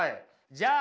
じゃあ。